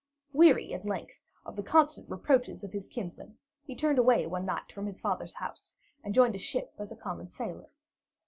Weary at length of the constant reproaches of his kinsmen, he turned away one night from his father's house and joined a ship as a common sailor.